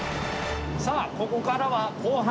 さあここからは後半戦。